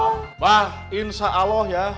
mbah insya allah ya